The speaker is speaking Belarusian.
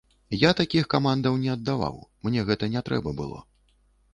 Я такіх камандаў не аддаваў, мне гэта не трэба было.